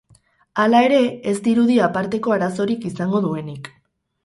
Hala ere, ez dirudi aparteko arazorik izango duenik.